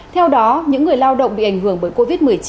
theo đó những người lao động bị ảnh hưởng bởi covid một mươi chín